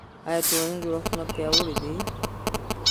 آیا ټولنیز جوړښتونه پیاوړي دي؟